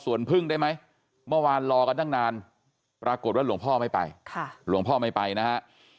ส่วนพึ่งได้ไหมเมื่อวานรอกันตั้งนานปรากฏว่าหลวงพ่อไม่ไปหลวงพ่อไม่ไปนะฮะ